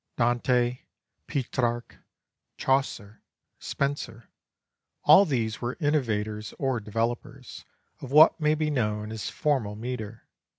Dante, Petrarch, Chaucer, Spenser, all these were innovators or developers of what may be known as formal metre.